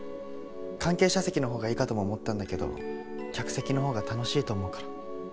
関係者席の方がいいかとも思ったんだけど客席の方が楽しいと思うから。